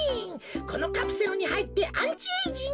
このカプセルにはいってアンチエージング